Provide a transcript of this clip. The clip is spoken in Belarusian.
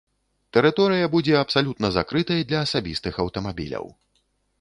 Тэрыторыя будзе абсалютна закрытай для асабістых аўтамабіляў.